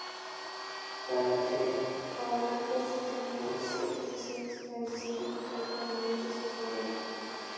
Para ahorrar costes, tenía "ciertos diseños" difíciles de interpretar para muchos ingenieros.